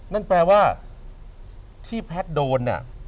นั่นแปลว่าที่แพทย์โดนเนี่ย